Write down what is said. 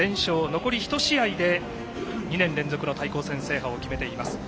残り１試合で２年連続の対抗戦制覇を決めています。